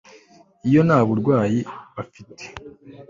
iyo nta burwayi bafite